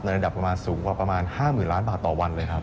ระดับประมาณสูงกว่าประมาณ๕๐๐๐ล้านบาทต่อวันเลยครับ